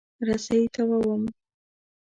رسۍ تاووم.